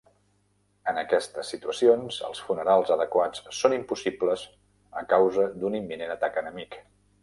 En aquestes situacions, els funerals adequats són impossibles a causa d'un imminent atac enemic.